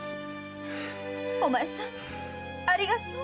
お前さんありがとう。